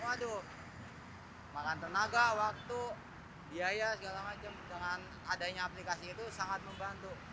waduh makan tenaga waktu biaya segala macam dengan adanya aplikasi itu sangat membantu